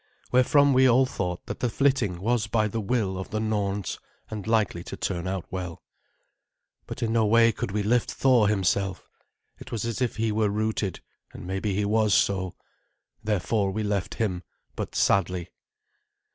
Wherefrom we all thought that the flitting was by the will of the Norns, and likely to turn out well. But in no way could we lift Thor himself. It was as if he were rooted, and maybe he was so. Therefore we left him, but sadly.